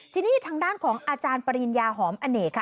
ทีนี้ทางด้านของอาจารย์ปริญญาหอมอเนกค่ะ